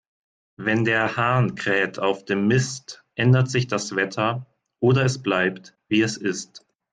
Wenn der Hahn kräht auf dem Mist, ändert sich das Wetter, oder es bleibt, wie es ist.